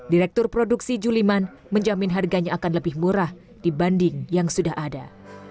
direktur produksi juliman menjamin harganya akan lebih murah dibanding yang sudah ada